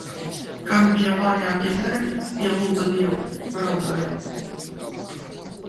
Kam bija vājāki nervi tie lūdza Dievu, raudāja.